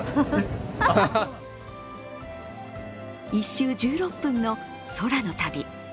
１周１６分の空の旅。